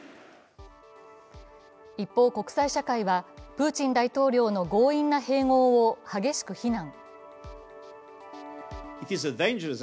一方、国際社会はプーチン大統領の強引な併合を激しく非難。